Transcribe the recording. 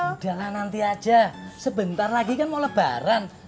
udah lah nanti aja sebentar lagi kan mau lebaran